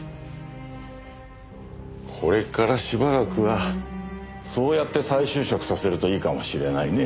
これからしばらくはそうやって再就職させるといいかもしれないね。